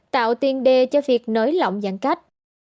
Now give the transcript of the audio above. tạo tiền đề cho việc nới lỏng giãn cách